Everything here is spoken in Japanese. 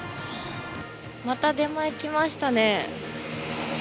また出前来ましたね。